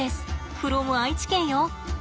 フロム愛知県よ。